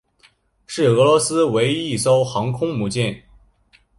是俄罗斯唯一一艘航空母舰。